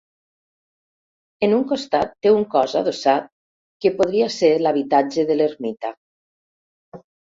En un costat té un cos adossat que podria ser l'habitatge de l'ermita.